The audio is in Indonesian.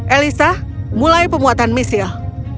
elisa mulai pemuatan misil